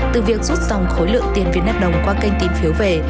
từ việc rút dòng khối lượng tiền việt nam đồng qua kênh tìm phiếu về